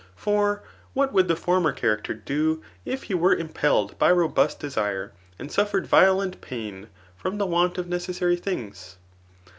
For what would the former character do if he were impelled by robust desire, and suflFered violent pain from the want of necessary things